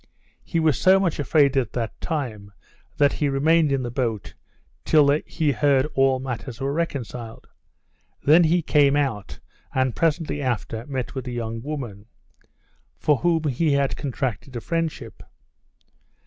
He was so much afraid at that time, that he remained in the boat till he heard all matters were reconciled; then he came out, and presently after, met with a young woman, for whom he had contracted a friendship.